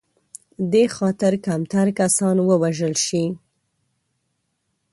دې خاطر کمتر کسان ووژل شي.